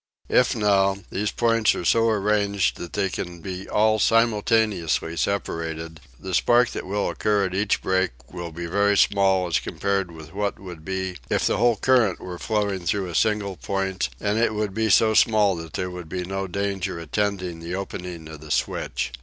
If, now, these points are so arranged that they can be all simultaneously separated, the spark that will occur at each break will be very small as compared with what it would be if the whole current were flowing through a single point, and it would be so small that there would be no danger attending the opening of the switch.